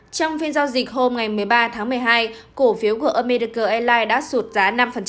trong phiên giao dịch hôm một mươi ba một mươi hai cổ phiếu của america airlines đã sụt giá năm